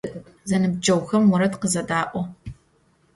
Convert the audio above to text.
Zenıbceğuxem vored khızeda'o.